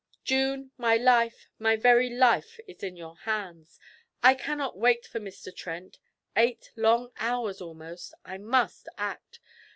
'June, my life, my very life is in your hands! I cannot wait for Mr. Trent; eight long hours almost! I must act.